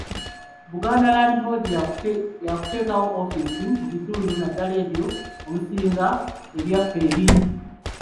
Buganda Land Board yakuteekawo ofiisi mu bitundu naddala ebyo omusinga "Ebyaffe" ebingi.